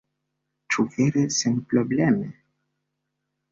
Ĉu vere senprobleme?